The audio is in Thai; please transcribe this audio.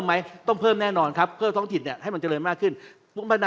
อ่ะเพิ่มแน่นอนแต่ไม่บอกตัวเลขนะ